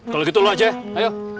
kalau gitu loh aja ayo